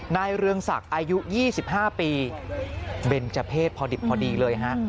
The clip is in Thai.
เรืองศักดิ์อายุ๒๕ปีเบนเจอร์เพศพอดิบพอดีเลยฮะ